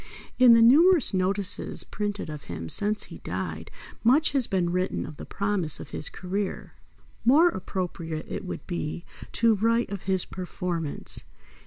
In the numerous notices printed of him since he died much has been written of the promise of his career. More appropriate it would be to write of his performance.